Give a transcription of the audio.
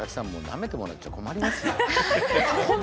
なめてもらっちゃ困りますよ。